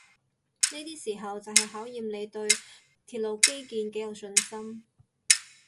呢啲時候就係考驗你對鐵路基建幾有信心